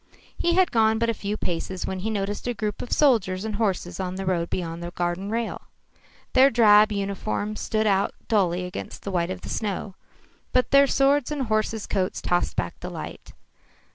He had gone but a few paces when he noticed a group of soldiers and horses on the road beyond the garden rail. Their drab uniforms stood out dully against the white of the snow, but their swords and horses' coats tossed back the light.